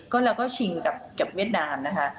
ก็เราก็ชิงกับเวียดนามนะคะ